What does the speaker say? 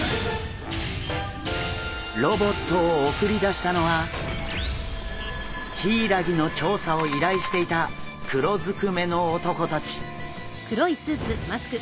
ロボットを送り出したのはヒイラギの調査を依頼していた黒ずくめの男たち。